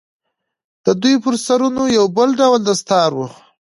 د دوى پر سرونو يو بل ډول دستار و.